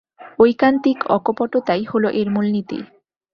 ঐকান্তিক অকপটতাই হল এর মূলনীতি।